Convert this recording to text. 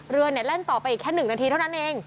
เรือเนี่ยเล่นต่อไปแค่๑นาทีเท่านั้นเอง